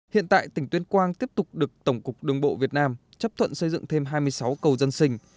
hiện tại tỉnh tuyên quang tiếp tục được tổng cục đường bộ việt nam chấp thuận xây dựng thêm hai mươi sáu cầu dân sinh